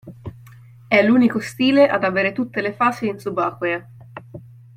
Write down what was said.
È l'unico stile ad avere tutte le fasi in subacquea.